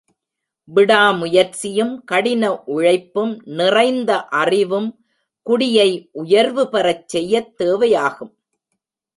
விடாமுயற்சியும், கடின உழைப்பும், நிறைந்த அறிவும் குடியை உயர்வு பெறச் செய்யத் தேவையாகும்.